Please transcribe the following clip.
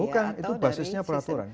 bukan itu basisnya peraturan